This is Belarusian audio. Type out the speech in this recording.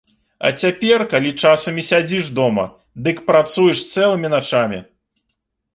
А цяпер, калі часам і сядзіш дома, дык працуеш цэлымі начамі.